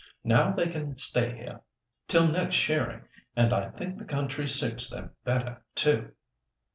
Now they can stay here till next shearing, and I think the country suits them better, too."